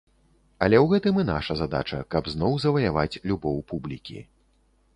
Але ў гэтым і наша задача, каб зноў заваяваць любоў публікі.